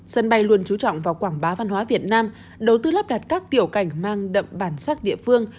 sân bay luôn trú trọng vào quảng bá văn hóa việt nam đầu tư lắp đặt các tiểu cảnh mang đậm bản sắc địa phương